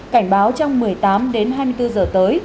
cảnh báo trong một mươi tám đến hai mươi bốn giờ tới